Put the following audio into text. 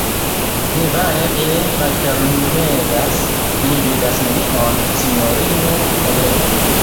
Mi vane ilin malfermegas; mi vidas nenion, sinjorino Heleno.